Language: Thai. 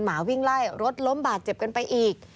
หมาวิ่งไล่รถล้มบาดเจ็บกันไปอีก